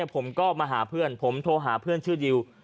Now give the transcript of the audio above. ผมก็มาหาเพื่อนผมโทรหาเพื่อนชื่อดิว